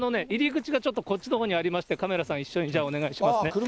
入り口がちょっとこっちのほうにありまして、カメラさん、一緒にお願いしますね。